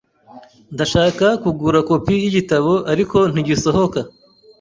Ndashaka kugura kopi yigitabo, ariko ntigisohoka.